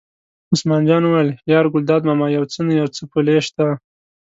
عثمان جان وویل: یار ګلداد ماما یو څه نه څه پولې شته.